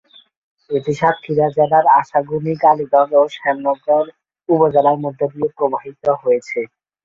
এটি সাতক্ষীরা জেলার আশাশুনি, কালীগঞ্জ ও শ্যামনগর উপজেলার মধ্য দিয়ে প্রবাহিত হয়েছে।